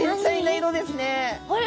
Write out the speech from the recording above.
あれ？